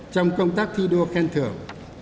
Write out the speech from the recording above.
trong công tác thi đua khen thưởng